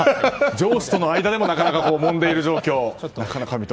上司との間でももんでいる状況。